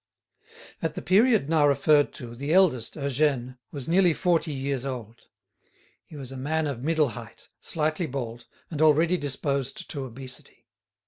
At the period now referred to the eldest, Eugène, was nearly forty years old. He was a man of middle height, slightly bald, and already disposed to obesity.